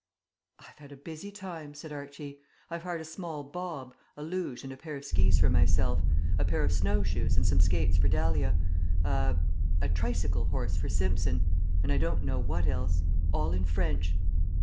"I've had a busy time," said Archie. "I've hired a small bob, a luge and a pair of skis for myself, a pair of snow shoes and some skates for Dahlia, a a tricycle horse for Simpson, and I don't know what else. All in French."